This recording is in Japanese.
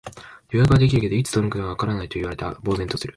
予約はできるけど、いつ届くのかわからないと言われて呆然とする